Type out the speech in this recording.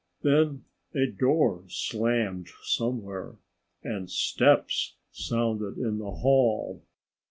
Then a door slammed somewhere. And steps sounded in the hall.